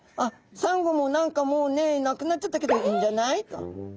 サンゴも何かもうねえなくなっちゃったけどいいんじゃない？」と。